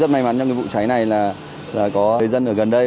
rất may mắn trong cái vụ cháy này là có người dân ở gần đây